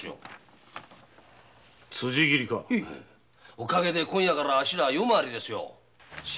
お陰で今夜から夜回りですよ。